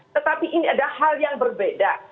tetapi ini ada hal yang berbeda